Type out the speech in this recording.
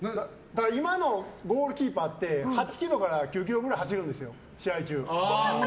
今のゴールキーパーって８ｋｍから９ｋｍくらい走るんですよ、試合中。